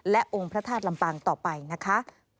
และองค์พระธาตุลำปางต่อไปนะคะ